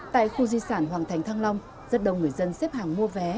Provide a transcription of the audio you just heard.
tại khu di sản hoàng thành thăng long rất đông người dân xếp hàng mua vé